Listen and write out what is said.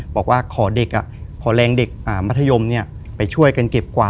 บอกว่าขอเด็กอ่ะขอแรงเด็กอ่ามัธยมเนี่ยไปช่วยกันเก็บกว่า